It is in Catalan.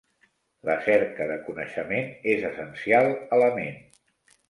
La cerca de coneixement és essencial a la ment.